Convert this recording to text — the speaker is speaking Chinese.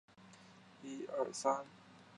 点翰林院庶吉士。